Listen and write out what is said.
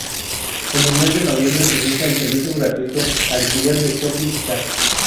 En el mes de noviembre se inicia el servicio gratuito "Alquiler de Shopping Cart".